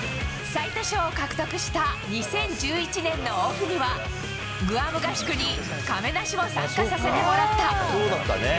最多勝を獲得した２０１１年のオフには、グアム合宿に亀梨も参加させてもらった。